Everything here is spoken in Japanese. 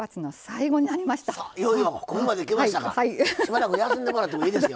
しばらく休んでもらっていいですよ。